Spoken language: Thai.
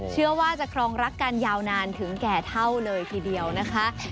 เชื่อว่าจะครองรักกันยาวนานถึงแก่เท่าเลยทีเดียวนะคะ